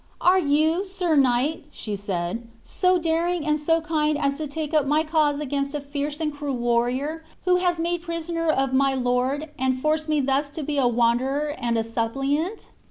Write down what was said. "Are you, Sir Knight," she said, "so daring and so kind as to take up my cause against a fierce and cruel warrior who has made prisoner of my lord, and forced me thus to be a wanderer and a suppliant?"